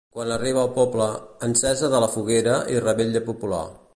Quan arriba al poble, encesa de la foguera i revetlla popular.